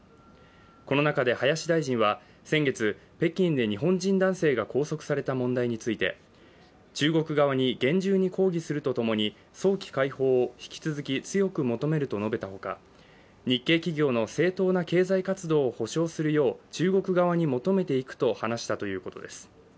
この中で林大臣は、先月北京で日本人男性が拘束された問題について中国側に厳重に抗議するとともに早期解放を引き続き強く求めると述べたほか、日系企業の正当な経済活動を保障するよう中国側に求めていくと話したということです。